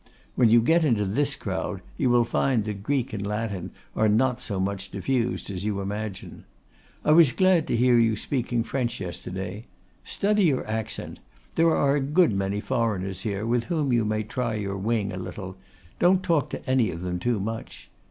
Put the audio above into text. When you get into this crowd you will find that Greek and Latin are not so much diffused as you imagine. I was glad to hear you speaking French yesterday. Study your accent. There are a good many foreigners here with whom you may try your wing a little; don't talk to any of them too much.